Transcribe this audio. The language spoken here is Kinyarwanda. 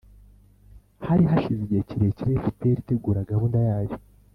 hari hashize igihe kirekire fpr itegura gahunda yayo;